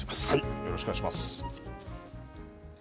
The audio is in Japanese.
よろしくお願いします。